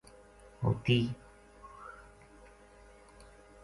ہوتی